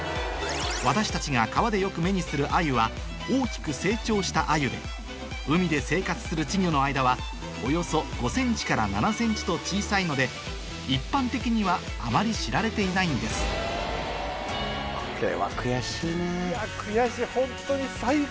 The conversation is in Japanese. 私たちが川でよく目にするアユは大きく成長したアユで海で生活する稚魚の間はおよそ５ｃｍから７ｃｍと小さいので一般的にはあまり知られていないんです悔しいホントに。